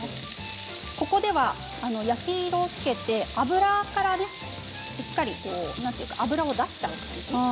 ここでは焼き色をつけて油からしっかり脂を出しちゃう。